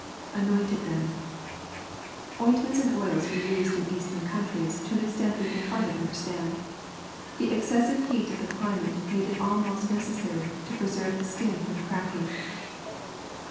[Anointed them.] Ointments and oils were used in eastern countries to an extent we can hardly understand. The excessive heat of the climate made it almost necessary, to preserve the skin from cracking.